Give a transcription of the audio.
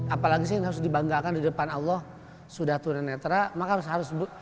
apalagi sih yang harus dibanggakan di depan allah sudah tunanetra maka harus harus